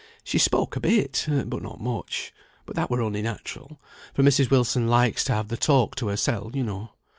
She spoke a bit, but not much; but that were only natural, for Mrs. Wilson likes to have the talk to hersel, you know.